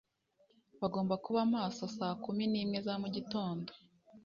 Bagomba kuba maso saa kumi nimwe za mugitondo.